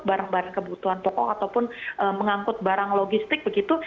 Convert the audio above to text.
barang barang kebutuhan pokok ataupun mengangkut barang logistik begitu